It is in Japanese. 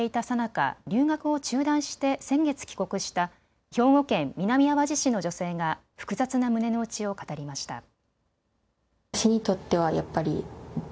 さなか留学を中断して先月帰国した兵庫県南あわじ市の女性が複雑な胸の内を語りました。